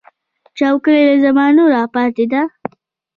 چوکۍ له زمانو راپاتې ده.